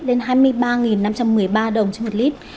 lên hai mươi ba năm trăm một mươi ba đồng trên một lít